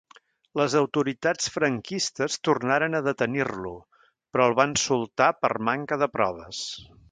Les autoritats franquistes tornaren a detenir-lo, però el van soltar per manca de proves.